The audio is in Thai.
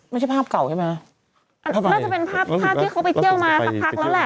ถ้าเป็นภาพที่เขาไปเที่ยวมาพักแล้วแหละ